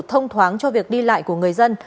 thông thoáng cho việc đi lại của người dân